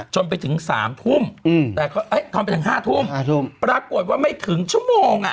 จนไปถึง๕ทุ่มปรากฏว่าไม่ถึงชั่วโมงอ่ะ